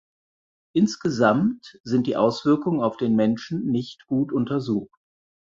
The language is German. Insgesamt sind die Auswirkungen auf den Menschen nicht gut untersucht.